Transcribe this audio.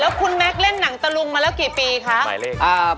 คุณแม็กซ์เล่นหนังตะลุงมาแล้วกี่ปีคะ